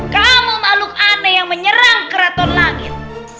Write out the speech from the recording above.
kamu makhluk aneh yang menyerang keraton langit